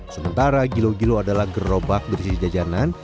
sementara gilo gilo adalah gerobak berisi jajanan